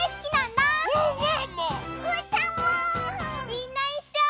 みんないっしょ！